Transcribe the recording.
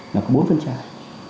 là bốn phân trại